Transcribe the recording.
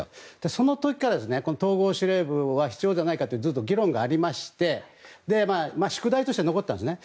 その時から統合司令部は必要ではないかと議論がずっとありまして宿題として残っていたんですね。